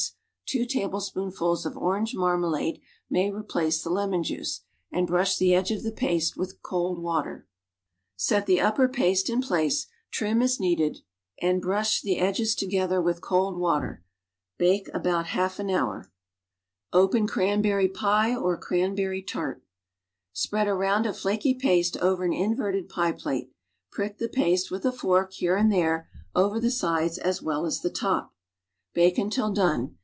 s — two tablespoonfuls of orange marmalade may replace the lemon juice — and brush the edge of the paste with cold water; set the upper paste in place, trim as needed and brush the edges together with cold water; bake about half an hour. 68 JJ se, leiel iiieustirt^menls for all inijredients OPEN CRANBERRY PIE OR CRANBERRY TART Spread a round of flaky paste o\ er an inverted pie plate, piiek the paste \\\[]i a fork, here and there, over the sides as well as the top. Hake until done.